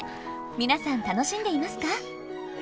皆さん楽しんでいますか？